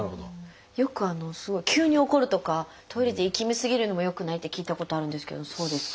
よくすごい急に怒るとかトイレでいきみ過ぎるのもよくないって聞いたことあるんですけどそうですか？